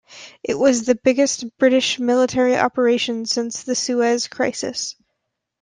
It was the biggest British military operation since the Suez Crisis.